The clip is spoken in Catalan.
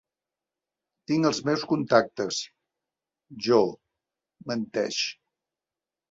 Tinc els meus contactes, jo —menteix.